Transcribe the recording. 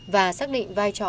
và xác định vai trò